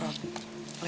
tak ada busur